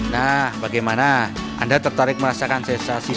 nah bagaimana anda tertarik merasakan sensasi